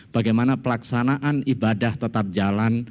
bagaimana pelaksanaan ibadah tetap jalan